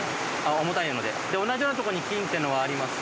で同じようなとこに金っていうのはあります。